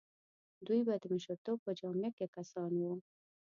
دوی به د مشرتوب په جامه کې کسان وو.